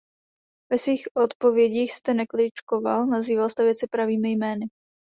Ve svých odpovědích jste nekličkoval, nazýval jste věci pravými jmény.